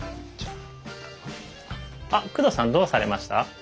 あっ工藤さんどうされました？